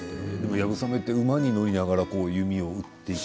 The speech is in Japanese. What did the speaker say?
やぶさめって馬に乗りながら弓をうって。